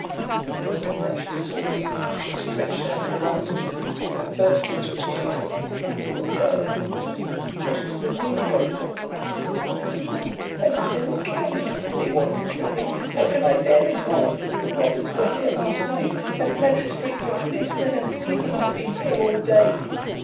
The moment that she saw him she stretched out her arms to him, and burst into tears. "My poor girl," said he, "what is the meaning of it all?" "I don't know. I think they will kill me. They want to kill me. How can I bear it all? The robbers were here last night, and magistrates and policemen and people have been here all day."